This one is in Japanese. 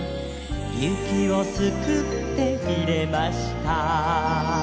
「雪をすくって入れました」